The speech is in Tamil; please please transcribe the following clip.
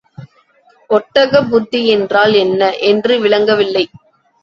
ஒட்டகப் புத்தி என்றால் என்ன என்று விளங்கவில்லை.